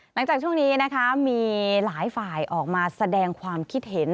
หลังจากช่วงนี้นะคะมีหลายฝ่ายออกมาแสดงความคิดเห็น